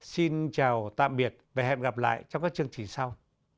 xin chào tạm biệt và hẹn gặp lại trong các chương trình sau